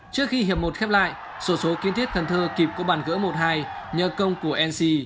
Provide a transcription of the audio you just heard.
trước khi hiệp một khép lại sổ số kiên thiết cần thơ kịp có bàn gỡ một hai nhờ công của nc